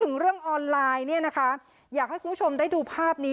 ถึงเรื่องออนไลน์เนี่ยนะคะอยากให้คุณผู้ชมได้ดูภาพนี้